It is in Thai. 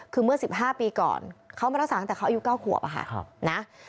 คือเมื่อ๑๕ปีก่อนเขามารักษาตั้งแต่เขาอายุเก้าหัว